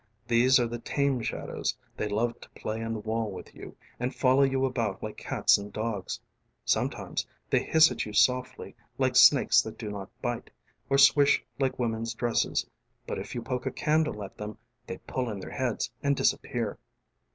┬Ā┬ĀThese are the tame shadowsŌĆö ┬Ā┬Āthey love to play on the wall with you ┬Ā┬Āand follow you about like cats and dogs. ┬Ā┬ĀSometimes ┬Ā┬Āthey hiss at you softly ┬Ā┬Ālike snakes that do not bite, ┬Ā┬Āor swish like women's dresses, ┬Ā┬Ābut if you poke a candle at them ┬Ā┬Āthey pull in their heads and disappear.